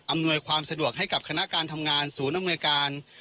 อำนวยความสะดวกให้กับคณะการทำงานศูนย์อำนวยการ